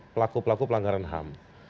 pelaku pelaku pelanggaran ham